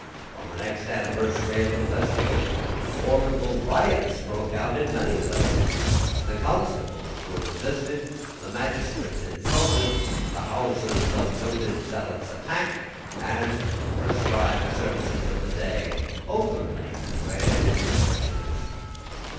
On the next anniversary of the festival formidable riots broke out in many places. The constables were resisted, the magistrates insulted, the houses of noted zealots attacked, and the prescribed service of the day openly read in the churches.